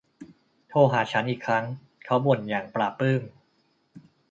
โทรหาฉันอีกครั้ง เขาบ่นอย่างปลาบปลื้ม